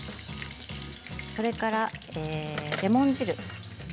それからレモン汁。